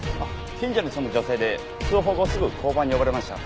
近所に住む女性で通報後すぐ交番に呼ばれました。